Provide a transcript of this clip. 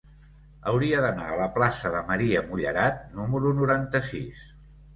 Hauria d'anar a la plaça de Maria Mullerat número noranta-sis.